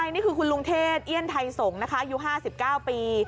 ใช่นี่คือคุณลุงเทศเอี้ยนไทยสงฯยู๕๙ปี